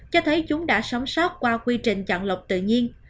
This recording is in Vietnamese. cho thấy chúng đã sống sót qua quy trình chọn lọc tự nhiên